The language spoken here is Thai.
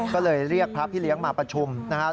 ก็เลยเรียกพระพี่เลี้ยงมาประชุมนะครับ